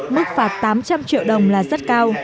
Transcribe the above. mức phạt tám trăm linh triệu đồng là rất cao